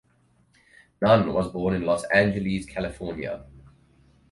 Nunn was born in Los Angeles, California.